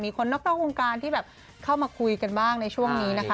คนนอกวงการที่แบบเข้ามาคุยกันบ้างในช่วงนี้นะคะ